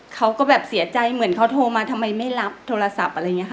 เขาก็แบบเสียใจเหมือนเขาโทรมาทำไมไม่รับโทรศัพท์อะไรอย่างนี้ค่ะ